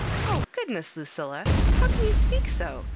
— oh goodness, Lucilla ! how can you speak so